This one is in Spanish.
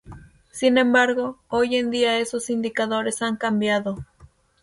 Sin embargo hoy en día esos indicadores han cambiado.